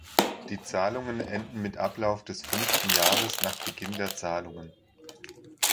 Die Zahlungen enden mit Ablauf des fünften Jahres nach Beginn der Zahlungen.